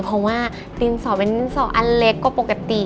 เพราะว่าดินสอเป็นดินสออันเล็กกว่าปกติ